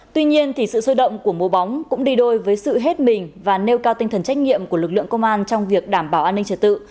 tuy nhiên sự sôi động của mùa bóng cũng đi đôi với sự hết mình và nêu cao tinh thần trách nhiệm của lực lượng công an trong việc đảm bảo an ninh trật tự